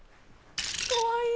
かわいい！